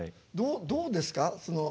どうですか？